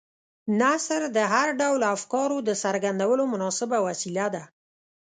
نثر د هر ډول افکارو د څرګندولو مناسبه وسیله ده.